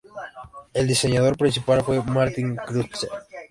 El diseñador principal fue Martin Kreutzer.